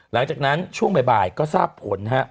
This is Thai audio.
หลังจากนั้นช่วงบ่ายก็ทราบผลฮะ